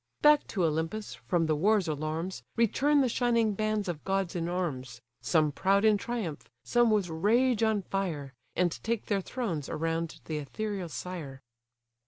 Back to Olympus, from the war's alarms, Return the shining bands of gods in arms; Some proud in triumph, some with rage on fire; And take their thrones around the ethereal sire.